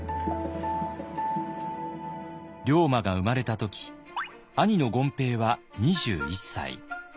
龍馬が生まれた時兄の権平は２１歳。